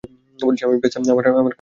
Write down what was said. আমি ব্যস আমার কাজ হাসিল করতে চাই।